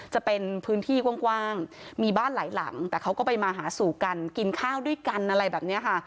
จะเป็นพื้นที่กว้างมีบ้านหลายหลังแต่เขาก็ไปมาหาสู่กันกินข้าวด้วยกันอะไรแบบนี้ค่ะ